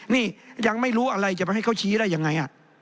นี่ยังไม่รู้อะไรจะไปให้เขาชี้ได้ยังไง